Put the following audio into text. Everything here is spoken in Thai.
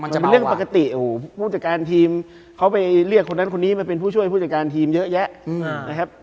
มันเป็นเรื่องปกติโอ้โหผู้จัดการทีมเขาไปเรียกคนนั้นคนนี้มาเป็นผู้ช่วยผู้จัดการทีมเยอะแยะนะครับ